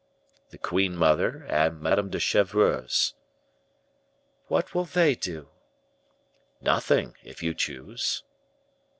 "The queen mother and Madame de Chevreuse." "What will they do?" "Nothing, if you choose."